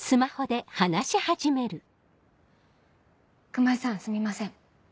熊井さんすみません。